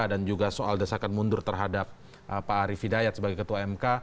dan juga soal dasarkan mundur terhadap pak arief hidayat sebagai ketua mk